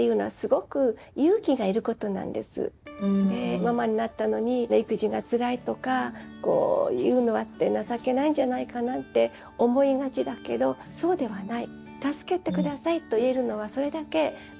ママになったのに育児がつらいとかこういうのがあって情けないんじゃないかなって思いがちだけどそうではない。